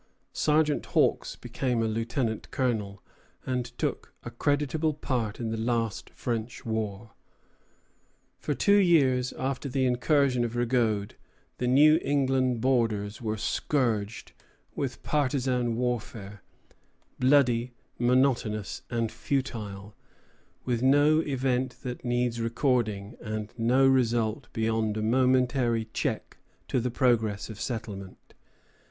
Sergeant Hawks became a lieutenant colonel, and took a creditable part in the last French war. For two years after the incursion of Rigaud the New England borders were scourged with partisan warfare, bloody, monotonous, and futile, with no event that needs recording, and no result beyond a momentary check to the progress of settlement.